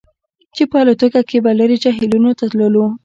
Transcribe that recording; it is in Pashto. چې په الوتکه کې به لرې جهیلونو ته تللو